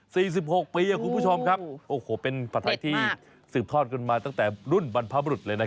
สิบหกปีอ่ะคุณผู้ชมครับโอ้โหเป็นผัดไทยที่สืบทอดกันมาตั้งแต่รุ่นบรรพบรุษเลยนะ